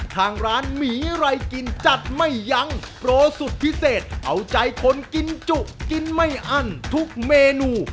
ทางร้านหมีอะไรกินจัดไม่ยั้งโปรสุดพิเศษเอาใจคนกินจุกินไม่อั้นทุกเมนู